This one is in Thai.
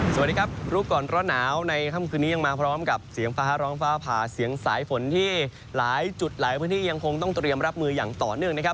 สวัสดีครับรู้ก่อนร้อนหนาวในค่ำคืนนี้ยังมาพร้อมกับเสียงฟ้าร้องฟ้าผ่าเสียงสายฝนที่หลายจุดหลายพื้นที่ยังคงต้องเตรียมรับมืออย่างต่อเนื่องนะครับ